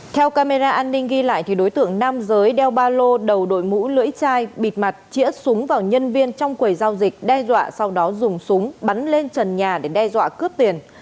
theo camera an ninh ghi lại đối tượng nam giới đeo ba lô đầu đội mũ lưỡi chai bịt mặt chĩa súng vào nhân viên trong quầy giao dịch đe dọa sau đó dùng súng bắn lên trần nhà để đe dọa cướp tiền